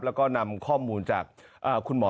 แล้วก็นำข้อมูลจากคุณหมอ